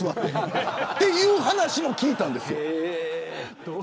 そういう話も聞いたんです。